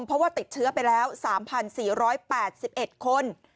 เพราะว่าติดเชื้อไปแล้ว๓๔๘๑คน